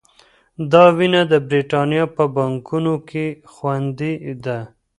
دا وینه د بریتانیا په بانکونو کې خوندي ده.